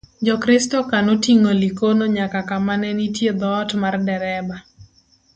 jokristo ka notingo Likono nyaka ka ma ne nitie dhot mar dereba